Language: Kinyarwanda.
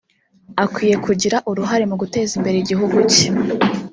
akwiye kugira uruhare mu guteza imbere igihugu cye